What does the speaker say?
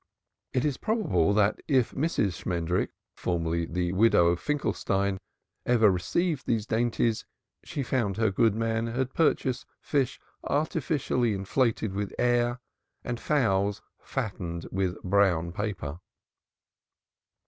It is probable, that if Mrs. Shmendrik, formerly the widow Finkelstein, ever received these dainties, she found her good man had purchased fish artificially inflated with air, and fowls fattened with brown paper.